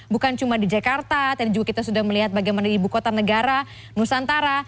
bukan cuma di jakarta tadi juga kita sudah melihat bagaimana ibu kota negara nusantara